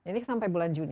ini sampai bulan juni